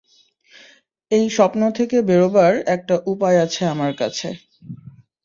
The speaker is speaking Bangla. এই স্বপ্ন থেকে বেরোবার একটা উপায় আছে আমার কাছে।